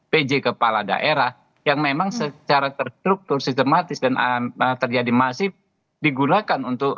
pj kepala daerah yang memang secara terstruktur sistematis dan terjadi masif digunakan untuk